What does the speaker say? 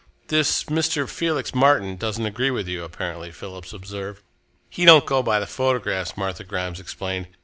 "This Mr. Felix Martin doesn't agree with you, apparently," Philip observed. "He don't go by the photographs," Martha Grimes explained.